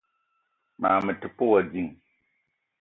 Mag me te pe wa ding.